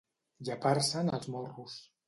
Llepar-se'n els morros.